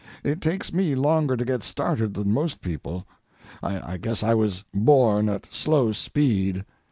It takes me longer to get started than most people. I guess I was born at slow speed.